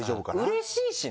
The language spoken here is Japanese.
うれしいしね。